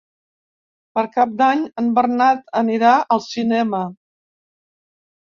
Per Cap d'Any en Bernat anirà al cinema.